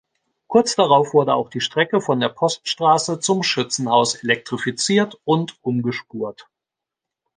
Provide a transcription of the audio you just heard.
Kurz darauf wurde auch die Strecke von der Poststraße zum Schützenhaus elektrifiziert und umgespurt.